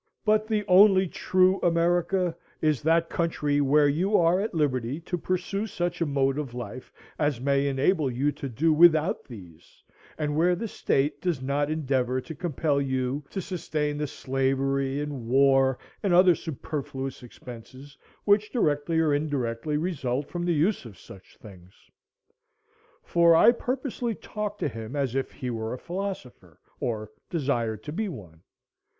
But the only true America is that country where you are at liberty to pursue such a mode of life as may enable you to do without these, and where the state does not endeavor to compel you to sustain the slavery and war and other superfluous expenses which directly or indirectly result from the use of such things. For I purposely talked to him as if he were a philosopher, or desired to be one.